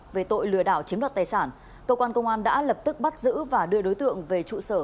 về tội lừa đảo chiếm đoạt tài sản cơ quan công an đã lập tức bắt giữ và đưa đối tượng về trụ sở